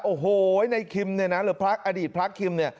โอ้โหนายขิมหรืออดีตพระขิม